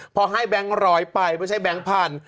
พอให้แบงค์ร้อยไปไม่ใช่แบงค์พันธุ